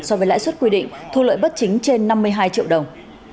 so với lãi suất quy định thu lợi bất chính trên năm mươi hai triệu đồng